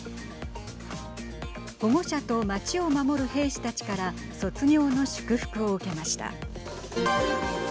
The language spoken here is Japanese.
保護者と町を守る兵士たちから卒業の祝福を受けました。